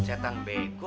tidak ada yang bisa dikira